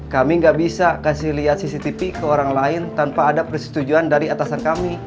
kami nggak bisa kasih lihat cctv ke orang lain tanpa ada persetujuan dari atasan kami